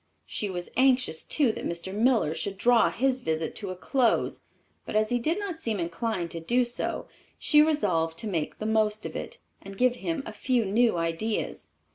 She was anxious, too, that Mr. Miller should draw his visit to a close, but as he did not seem inclined to do so, she resolved to make the most of it, and give him a few new ideas.